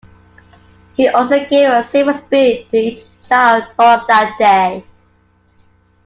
He also gave a silver spoon to each child born on that day.